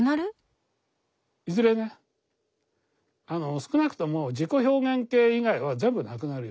少なくとも自己表現系以外は全部なくなるよ。